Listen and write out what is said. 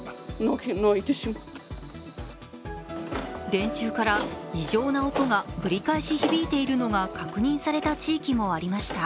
電柱から異常な音が繰り返し響いているのが確認された地域もありました。